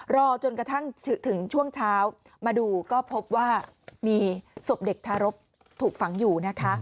รอจนกระทั่งถึงช่วงเช้ามาดูก็พบว่ามีศพเด็กทารกถูกฝังอยู่นะคะ